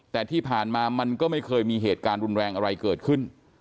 แต่ที่ผ่านมามันก็ไม่เคยมีเหตุการณ์รุนแรงอะไรเกิดขึ้น